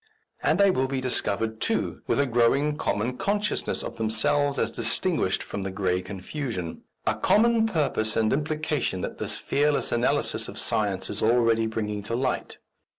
And they will be discovered, too, with a growing common consciousness of themselves as distinguished from the grey confusion, a common purpose and implication that the fearless analysis of science is already bringing to light.